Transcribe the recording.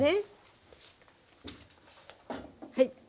はい。